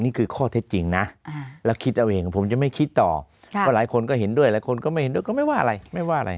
นี้คือข้อเทศจริงเลยผมจะไม่จะคิดขยับว่าหลายคนก็เห็นด้วยหรือไม่เห็นด้วยก็ไม่ว่าอะไร